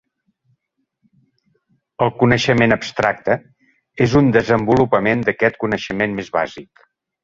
El coneixement abstracte és un desenvolupament d'aquest coneixement més bàsic..